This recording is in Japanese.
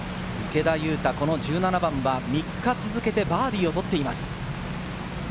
池田勇太、１７番は３日続けてバーディーを取っています。